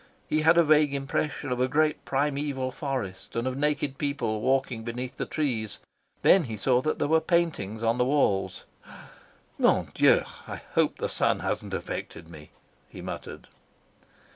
He had a vague impression of a great primeval forest and of naked people walking beneath the trees. Then he saw that there were paintings on the walls. ", I hope the sun hasn't affected me," he muttered.